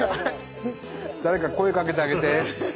誰か声かけてあげて。